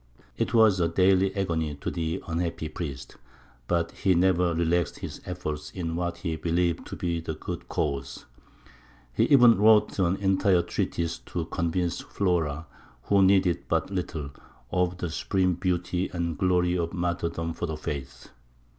It was a daily agony to the unhappy priest, but he never relaxed his efforts in what he believed to be the good cause. He even wrote an entire treatise to convince Flora who needed it but little of the supreme beauty and glory of martyrdom for the faith.